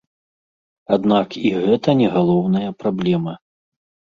Аднак і гэта не галоўная праблема.